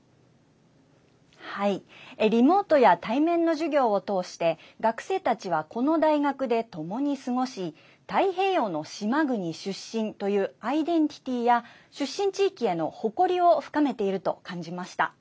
リモートや対面の授業を通して学生たちはこの大学でともに過ごし太平洋の島国出身というアイデンティティーや出身地域への誇りを深めていると感じました。